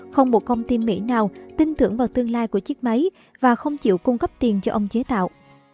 không một công ty mỹ nào tin tưởng vào tương lai của chiếc máy và không chịu cung cấp tiền cho ông chế tạo